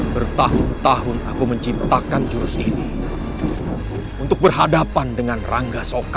bertahun tahun aku menciptakan jurus ini untuk berhadapan dengan rangga soka